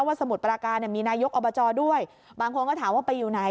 สมุทรปราการมีนายกอบจด้วยบางคนก็ถามว่าไปอยู่ไหน